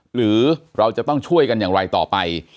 หรือเราจะต้องช่วยกันอย่างไรต่อไป